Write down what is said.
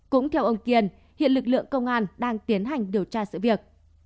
cũng theo ông kiên hiện lực lượng công an đang tiến hành điều tra sự việc